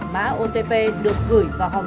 mã otp được gửi vào ngân hàng